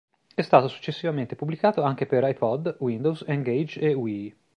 È stato successivamente pubblicato anche per iPod, Windows, N-Gage e Wii.